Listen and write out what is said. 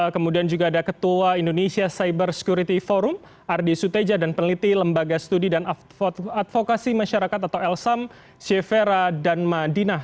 kemudian juga ada ketua indonesia cyber security forum ardi suteja dan peneliti lembaga studi dan advokasi masyarakat atau lsam syevera dan madinah